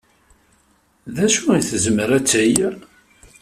D acu ay tezmer ad teg?